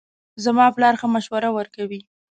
زما پلار ښه مشوره ورکوي